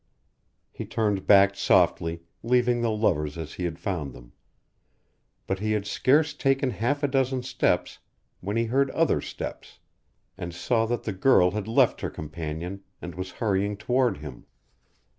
He turned back softly, leaving the lovers as he had found them; but he had scarce taken half a dozen steps when he heard other steps, and saw that the girl had left her companion and was hurrying toward him.